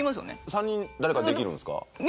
３人誰かできるんですか？